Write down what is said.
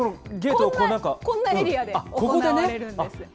こんなエリアで行われるんです。